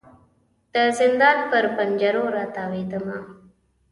د زندان پر پنجرو را تاویدمه